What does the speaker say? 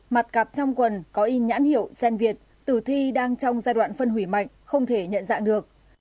mặt cạp trong quần có y nhãn hiệu xen việt tử thi đang trong giai đoạn phân hủy mạnh không thể nhận dạng được